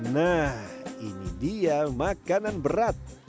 nah ini dia makanan berat